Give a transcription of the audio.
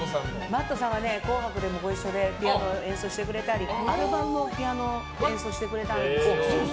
Ｍａｔｔさんは「紅白」でもご一緒させていただいてピアノを演奏してくれたりアルバムでもピアノを演奏してくれたんですよ。